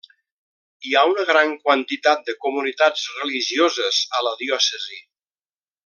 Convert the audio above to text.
Hi ha una gran quantitat de comunitats religioses a la diòcesi.